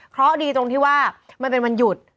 เพราะดีตรงที่ว่ามันเป็นวันหยุด